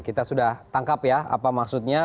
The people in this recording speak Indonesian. kita sudah tangkap ya apa maksudnya